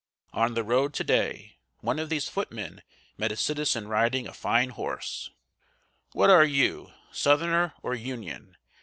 On the road to day, one of these footmen met a citizen riding a fine horse. "What are you, Southerner or Union?"